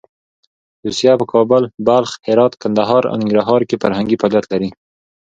روسیه په کابل، بلخ، هرات، کندهار او ننګرهار کې فرهنګي فعالیت لري.